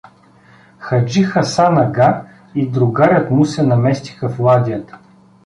Хаджи Хасан ага и другарят му се наместиха в ладията.